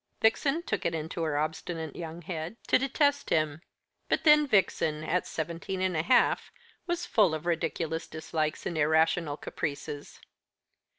Vixen took it into her obstinate young head to detest him. But then, Vixen, at seventeen and a half, was full of ridiculous dislikes and irrational caprices.